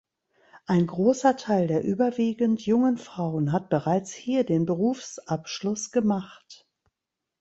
Ein großer Teil der überwiegend jungen Frauen hat bereits hier den Berufsabschluss gemacht.